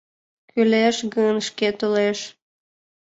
Кӱлеш гын, шке толеш.